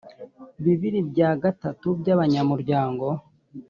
bibiri bya gatatu by’ abanyamuryango